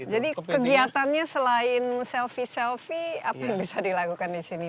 jadi kegiatannya selain selfie selfie apa yang bisa dilakukan di sini